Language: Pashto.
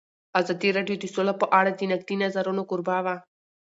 ازادي راډیو د سوله په اړه د نقدي نظرونو کوربه وه.